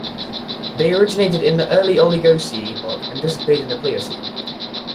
They originated in the early Oligocene epoch and disappeared in the Pliocene.